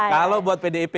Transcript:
kalau buat pdip